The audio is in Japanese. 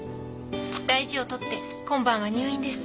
大事をとって今晩は入院です。